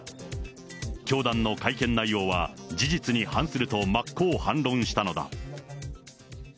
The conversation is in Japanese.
教団の会見内容は事実に反すると真っ向反論したのだ。